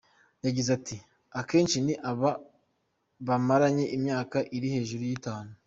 Yagize ati “Abenshi ni ababa bamaranye imyaka iri hejuru y’itanu.